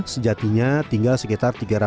sejatinya tinggal sekitar tiga ratus kepala keluarga